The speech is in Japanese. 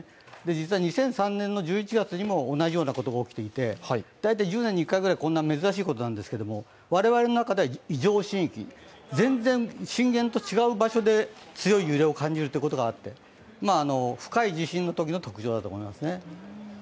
実は２００３年の１１月にも同じようなことが起きていて、大体１０年に１回ぐらい、珍しいことなんですけど、我々の中では異常震域、全然震源と違う場所で強い揺れを感じることがあって、深い地震のときの特徴だと思いますね。